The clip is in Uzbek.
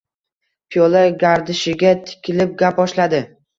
Piyola gardishiga tikilib gap boshladi: